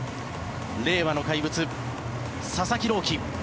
令和の怪物、佐々木朗希。